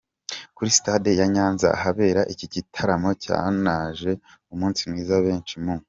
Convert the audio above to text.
kuri stade ya Nyanza ahabereye iki gitaramo cyanaje umunsi mwiza benshi mu.